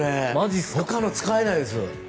他の使えないですよ！